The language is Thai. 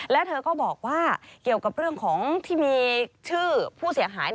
แล้วเธอก็บอกว่าเกี่ยวกับเรื่องของที่มีชื่อผู้เสียหาย